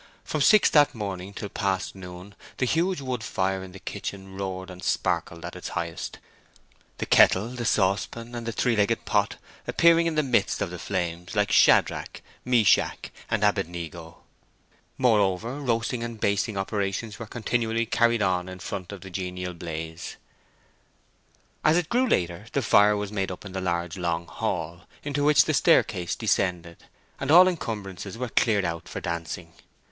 From six that morning till past noon the huge wood fire in the kitchen roared and sparkled at its highest, the kettle, the saucepan, and the three legged pot appearing in the midst of the flames like Shadrach, Meshach, and Abednego; moreover, roasting and basting operations were continually carried on in front of the genial blaze. As it grew later the fire was made up in the large long hall into which the staircase descended, and all encumbrances were cleared out for dancing.